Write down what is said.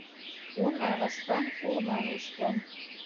Ун ағастан урман үҫкән.